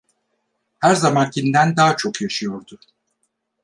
Her zamankinden daha çok yaşıyordu.